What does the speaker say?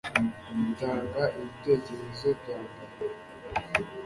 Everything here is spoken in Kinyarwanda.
Utanga ibitekerezo byambere